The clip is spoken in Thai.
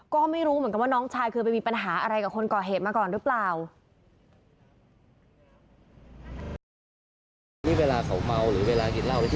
ก็ไม่รู้เหมือนกันว่าน้องชายเคยไปมีปัญหาอะไรกับคนก่อเหตุมาก่อนหรือเปล่า